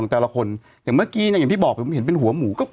แต่ละคนอย่างเมื่อกี้เนี่ยอย่างที่บอกผมเห็นเป็นหัวหมูก็